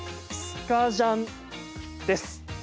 スカジャンです。